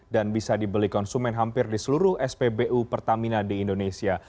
dan bisa dibeli konsumen hampir di seluruh spbu pertamina di indonesia